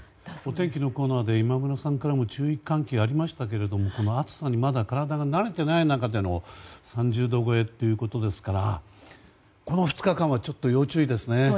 お天気のコーナーで今村さんからも注意喚起がありましたがこの暑さにまだ体が慣れていない中での３０度超えということですからこの２日間はちょっと要注意ですね。